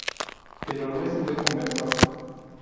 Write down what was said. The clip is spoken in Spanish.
Pero no es un buen conversor.